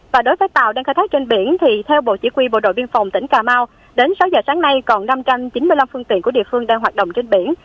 và đối với tàu đang khai thác trên biển thì theo bộ chỉ huy bộ đội biên phòng tỉnh cà mau đến sáu giờ sáng nay còn năm trăm chín mươi năm phương tiện của địa phương đang hoạt động trên biển